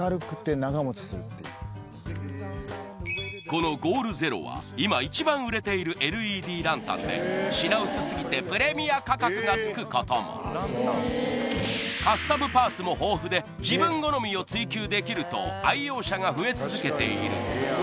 このＧＯＡＬＺＥＲＯは今一番売れているＬＥＤランタンで品薄すぎてプレミア価格がつくこともカスタムパーツも豊富で自分好みを追求できると愛用者が増え続けている